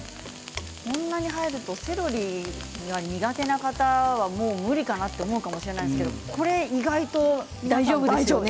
こんなに入るとセロリが苦手な方は、もう無理かなと思うかもしれないですけれどもこれは意外と大丈夫ですよね。